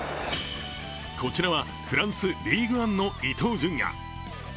こちらは、フランスリーグ・アンの伊東純也。